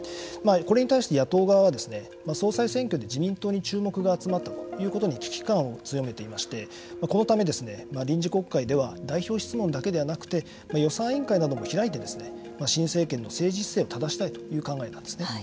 これに対して野党側は総裁選挙で自民党に注目が集まったということに危機感を強めていましてこのため、臨時国会では代表質問だけではなくて予算委員会なども開いて新政権の政治姿勢をただしたいという考えなんですね。